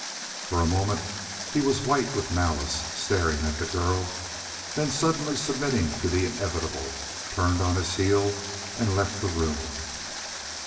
For a moment he was white with malice, staring at the girl, then suddenly submitting to the inevitable, turned on his heel and left the room.